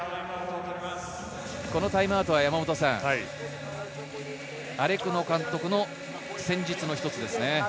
このタイムアウトはアレクノ監督の戦術の一つですね。